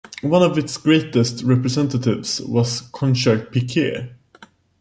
One of its greatest representatives was Concha Piquer.